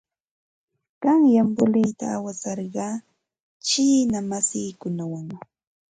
Qanyan voleyta awasarqaa chiina masiikunawan.